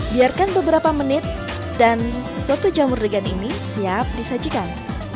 biarkan beberapa menit dan soto jamur degan ini siap disajikan